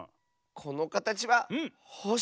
このかたちはほし。